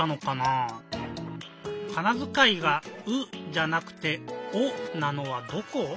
かなづかいが「う」じゃなくて「お」なのはどこ？